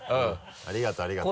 ありがとうありがとう。